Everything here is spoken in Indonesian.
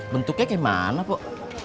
bentuknya kayak mana pok